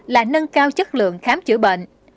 là nâng cao chất lượng khám chữa bệnh